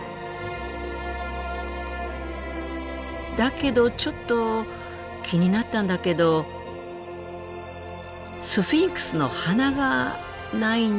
だけどちょっと気になったんだけどスフィンクスの鼻がないんじゃないかしら。